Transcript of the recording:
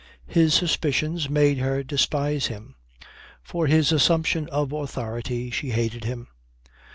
His suspicions made her despise him. For his assumption of authority she hated him.